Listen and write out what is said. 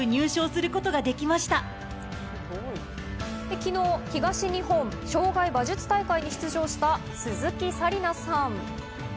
昨日、東日本障害馬術大会に出場した鈴木紗理奈さん。